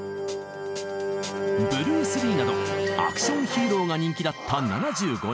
ブルース・リーなどアクション・ヒーローが人気だった７５年。